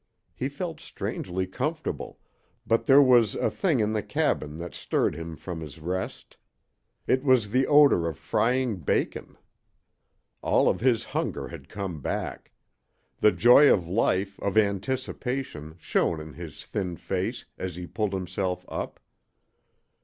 He felt strangely comfortable, but there was something in the cabin that stirred him from his rest. It was the odor of frying bacon. All of his hunger had come back. The joy of life, of anticipation, shone in his thin face as he pulled himself up.